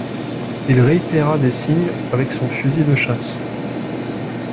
Il réitéra des signes avec son fusil de chasse.